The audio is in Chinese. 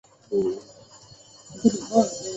他还在西班牙效力奥沙辛拿和美国球会。